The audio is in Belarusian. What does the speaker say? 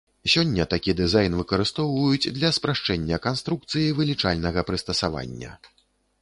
Сёння такі дызайн выкарыстоўваюць для спрашчэння канструкцыі вылічальнага прыстасавання.